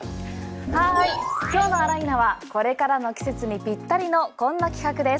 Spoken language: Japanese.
今日のあら、いーな！はこれからの季節にぴったりのこんな企画です。